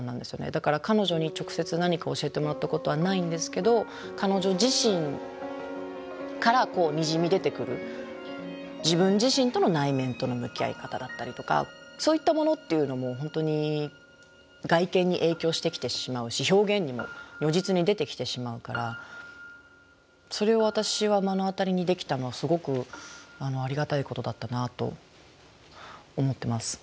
だから彼女に直接何か教えてもらったことはないんですけど彼女自身からにじみ出てくる自分自身との内面との向き合い方だったりとかそういったものっていうのも本当に外見に影響してきてしまうし表現にも如実に出てきてしまうからそれを私は目の当たりにできたのはすごくありがたいことだったなと思ってます。